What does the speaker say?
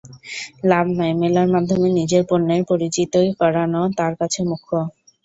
লাভ নয়, মেলার মাধ্যমে নিজের পণ্যের পরিচিতি করানো তাঁর কাছে মুখ্য।